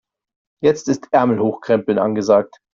Jetzt ist Ärmel hochkrempeln angesagt.